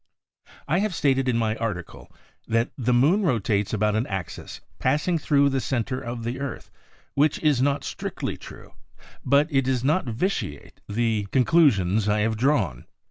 I have stated in my article that the moon rotates about an axis passing thru the center of the earth, which is not strictly true, but it does not vitiate the By NIKOLA TESLA conclusions I have drawn.